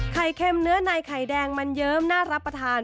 เค็มเนื้อในไข่แดงมันเยิ้มน่ารับประทาน